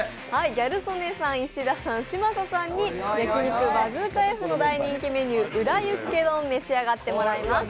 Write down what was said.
ギャル曽根さん、石田さん、嶋佐さんに焼き肉バズーカＦの大人気メニュー裏ユッケ丼、召し上がってもらいます。